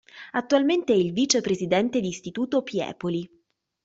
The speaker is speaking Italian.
Attualmente è il vicepresidente di Istituto Piepoli.